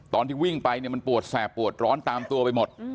ตอนที่วิ่งไปเนี่ยมันปวดแสบปวดร้อนตามตัวไปหมด